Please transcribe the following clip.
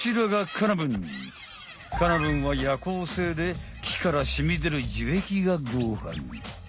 カナブンは夜行性できからしみでるじゅえきがごはん。